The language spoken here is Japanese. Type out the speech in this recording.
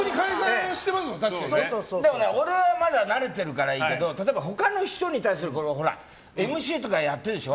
でもね、俺はまだ慣れてるからいいけど例えば他の人に対するＭＣとかやってるでしょ。